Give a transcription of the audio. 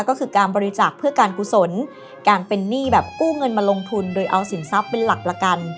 ก็คือการบริจาคเพื่อการกุศลการเป็นหนี้แบบกู้เงินมาลงทุนโดยเอาสินทรัพย์เป็นหลักประกัน